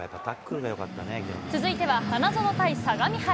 続いては、花園対相模原。